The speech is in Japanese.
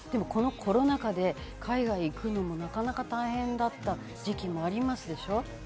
コロナ禍で海外に行くのもなかなか大変だった時期もありますでしょ？